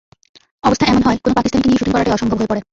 অবস্থা এমন হয়, কোনো পাকিস্তানিকে নিয়ে শুটিং করাটাই অসম্ভব হয়ে পড়ে।